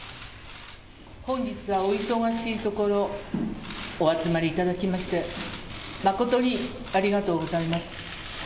本日はお忙しいところ、お集まりいただきまして、誠にありがとうございます。